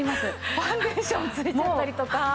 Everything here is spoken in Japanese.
ファンデーションついちゃったりとか。